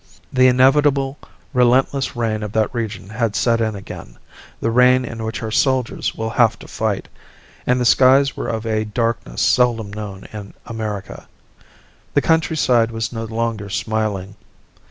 The inevitable, relentless rain of that region had set in again, the rain in which our own soldiers will have to fight, and the skies were of a darkness seldom known in America. The countryside was no longer smiling.